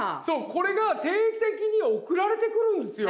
これが定期的に送られてくるんですよ。